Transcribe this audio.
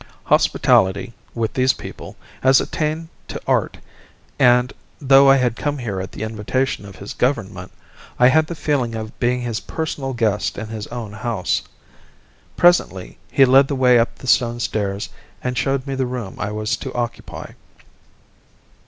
Hospitality, with these people, has attained to art, and, though I had come here at the invitation of his government, I had the feeling of being his personal guest in his own house. Presently he led the way up the stone stairs and showed me the room I was to occupy.